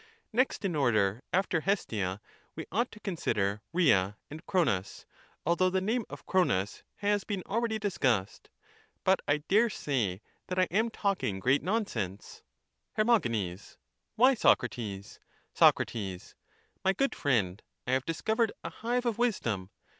Next in order after Hestia we ought to consider Rhea and Cronos, although the name of Cronos has been already discussed. But I dare say that I am talking great nonsense. Her. Why, Socrates? Soc. My good friend, I have discovered a hive of wisdom.